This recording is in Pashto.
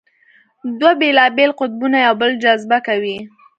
دوه بېلابېل قطبونه یو بل جذبه کوي.